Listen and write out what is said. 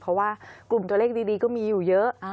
เพราะว่ากลุ่มตัวเลขดีก็มีอยู่เยอะ